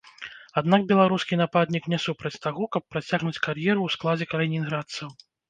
Аднак беларускі нападнік не супраць таго, каб працягнуць кар'еру ў складзе калінінградцаў.